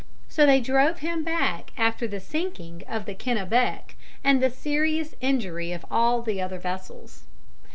So they drove him back after the sinking of the Kennebec and the serious injury of all the other vessels.